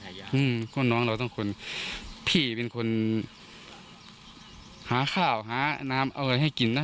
เพราะน้องเราต้องคนพี่เป็นคนหาข้าวหาน้ำเอาอะไรให้กินนะ